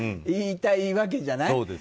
言いたいわけじゃない。